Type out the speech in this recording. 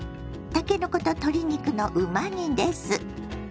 たけのこと鶏肉のうま煮です。